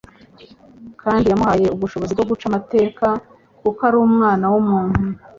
kandi yamuhaye ubushobozi bwo guca amateka, kuko ari Umwana w'umuntu."